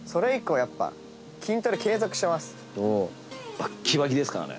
バッキバキですからね。